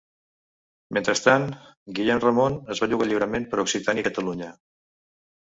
Mentrestant, Guillem Ramon es belluga lliurement per Occitània i Catalunya.